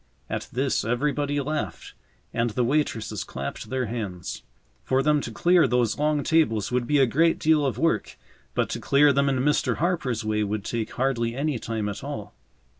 At this everybody laughed and the waitresses clapped their hands. For them to clear those long tables would be a great deal of work, but to clear them in Mr. Harper's way would take hardly any time at all.